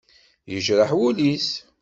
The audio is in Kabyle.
Yejreḥ wul-is.